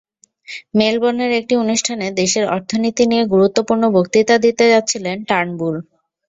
মেলবোর্নের একটি অনুষ্ঠানে দেশের অর্থনীতি নিয়ে গুরুত্বপূর্ণ বক্তৃতা দিতে যাচ্ছিলেন টার্নবুল।